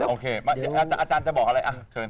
โอเคมาอาจารย์อาจารย์จะบอกอะไรอะเชิญ